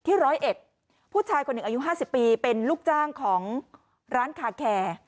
ร้อยเอ็ดผู้ชายคนหนึ่งอายุ๕๐ปีเป็นลูกจ้างของร้านคาแคร์